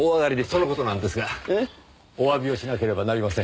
その事なんですがお詫びをしなければなりません。